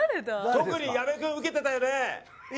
特に矢部君、ウケてたよね。